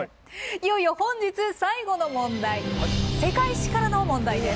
いよいよ本日最後の問題「世界史」からの問題です。